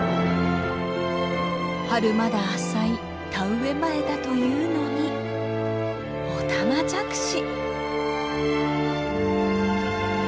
春まだ浅い田植え前だというのにオタマジャクシ！